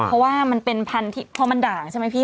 เพราะว่ามันเป็นพันธุ์พอมันด่างใช่ไหมพี่